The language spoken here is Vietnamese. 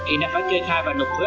ý là phải chơi khai và nộp thuế